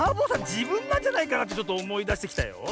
じぶんなんじゃないかなってちょっとおもいだしてきたよ。